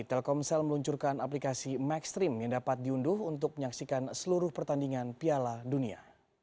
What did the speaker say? telkomsel meluncurkan aplikasi maxstream yang dapat diunduh untuk menyaksikan seluruh pertandingan piala dunia